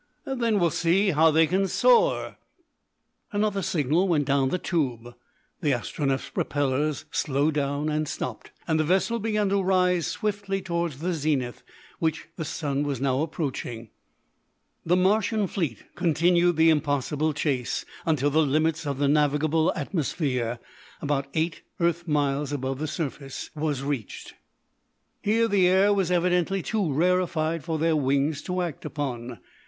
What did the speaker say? "Then we'll see how they can soar." Another signal went down the tube. The Astronef's propellers slowed down and stopped, and the vessel began to rise swiftly towards the zenith, which the sun was now approaching. The Martian fleet continued the impossible chase until the limits of the navigable atmosphere, about eight earth miles above the surface, was reached. Here the air was evidently too rarefied for their wings to act upon.